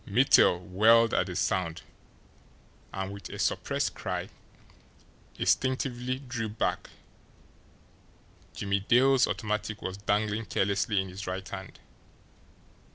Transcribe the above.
Mittel whirled at the sound, and, with a suppressed cry, instinctively drew back Jimmie Dale's automatic was dangling carelessly in his right hand.